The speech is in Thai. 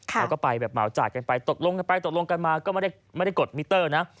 แล้วก็ไปแบบเหมาจ่ายกันไปตกลงกันไปตกลงกันมาก็ไม่ได้กดมิเตอร์นะ